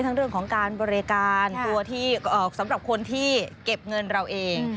เรื่องของการบริการตัวที่สำหรับคนที่เก็บเงินเราเอง